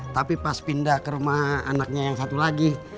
tapi pas pindah ke rumah anaknya yang satu lagi